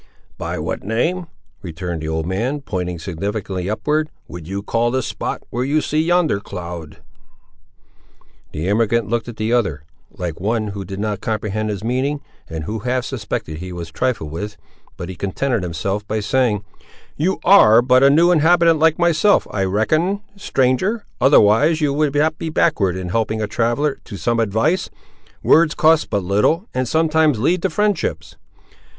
"By what name," returned the old man, pointing significantly upward, "would you call the spot, where you see yonder cloud?" The emigrant looked at the other, like one who did not comprehend his meaning, and who half suspected he was trifled with, but he contented himself by saying— "You ar' but a new inhabitant, like myself, I reckon, stranger, otherwise you would not be backward in helping a traveller to some advice; words cost but little, and sometimes lead to friendships."